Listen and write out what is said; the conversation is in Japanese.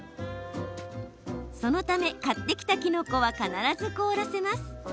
そのため、買ってきたきのこは必ず凍らせます。